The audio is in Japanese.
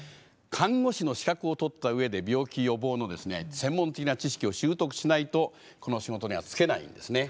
看護師の資格を取った上で病気予防の専門的な知識を習得しないとこの仕事には就けないんですね。